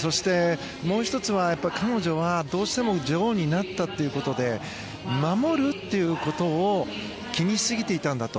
もう１つは彼女は、どうしても女王になったということで守るということを気にしすぎていたんだと。